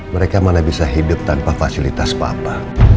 mereka mana bisa hidup tanpa fasilitas papa